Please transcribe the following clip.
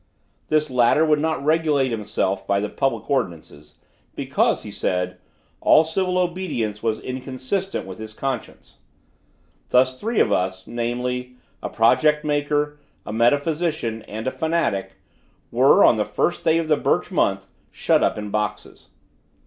This latter would not regulate himself by the public ordinances, because, he said, all civil obedience was inconsistent with his conscience. Thus three of us, namely, a project maker, a metaphysician, and a fanatic, were, on the first day of the Birch month, shut up in boxes.